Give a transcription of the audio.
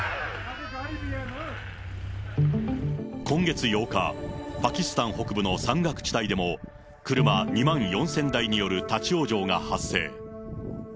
今月８日、パキスタン北部の山岳地帯でも、車２万４０００台による立往生が発生。